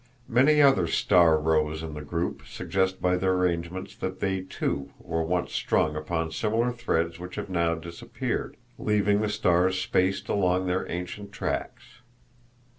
Many other star rows in the group suggest by their arrangement that they, too, were once strung upon similar threads which have now disappeared, leaving the stars spaced along their ancient tracks.